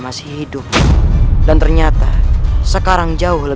masuklah ke dalam